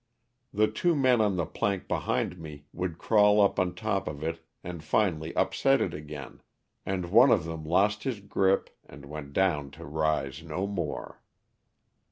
The two men on the plank behind me would crawl up on top of it and finally upset it again, and one of them lost his grip and went down to rise no more.